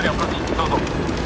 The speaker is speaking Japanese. どうぞ」